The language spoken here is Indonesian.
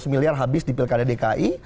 lima ratus miliar habis di pilkada dki